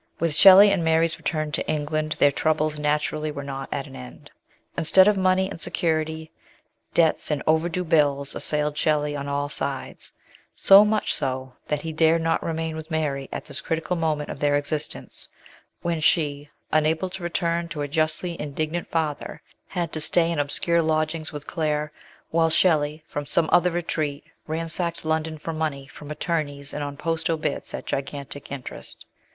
With Shelley and Mary's return to England their troubles naturally were not at an end. Instead of money and security, debts and overdue bills assailed Shelley on all sides ; so much so, that he dared not remain with Mary at this critical moment of their existence, when she, unable to return to her justly indignant father, had to stay in obscure lodgings with Claire, while Shelley, from some other retreat, ransacked London for money from attorneys and on post obits at gigantic interest.